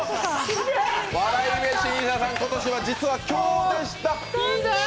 笑い飯・西田さん、今年は実は凶でした。